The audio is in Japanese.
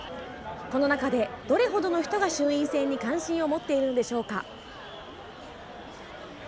この中でどれほどの人が衆院選に関心を持っているのでしょうか。